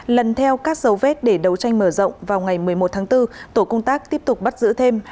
lần theo các dấu vết để đấu tranh mở rộng vào ngày một mươi một tháng bốn tổ công tác tiếp tục bắt giữ thêm